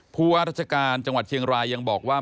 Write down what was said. ผู้ว่าราชการจังหวัดเชียงรายยังบอกว่า